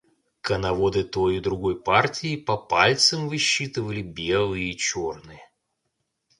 Коноводы той и другой партии по пальцам высчитывали белые и черные.